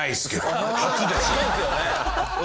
お初ですよね。